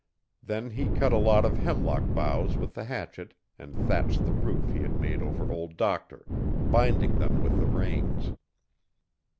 Then he cut a lot of hemlock boughs with the hatchet, and thatched the roof he had made over Old Doctor, binding them with the reins.